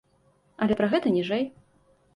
Але пра гэты ніжэй.